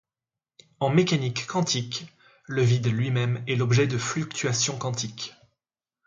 En mécanique quantique, le vide lui-même est l'objet de fluctuations quantiques.